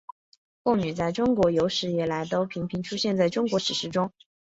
贡女在中国有史以来就频频出现在中国史书中。